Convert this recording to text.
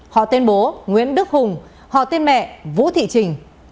họ tên bố nguyễn đức hùng họ tên mẹ vũ thị trình